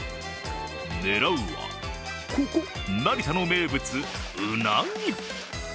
狙うは、ここ成田の名物、うなぎ。